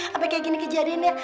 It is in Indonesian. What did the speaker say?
sampai kayak gini kejadian ya